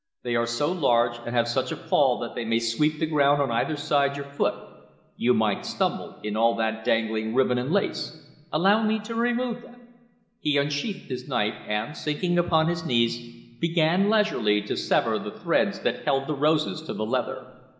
They are so large and have such a fall that they sweep the ground on either side your foot; you might stumble in all that dangling ribbon and lace. Allow me to remove them." He unsheathed his knife, and, sinking upon his knees, began leisurely to sever the threads that held the roses to the leather.